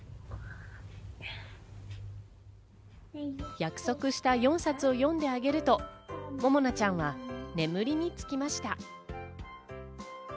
約束した４冊を読んであげると、ももなちゃんは眠りにつきました。